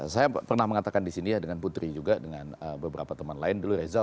saya pernah mengatakan di sini ya dengan putri juga dengan beberapa teman lain dulu reza